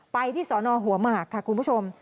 ไปที่สอนอหัวหมากค่ะคุณผู้ชม